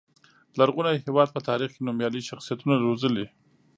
لرغوني هېواد په تاریخ کې نومیالي شخصیتونه روزلي.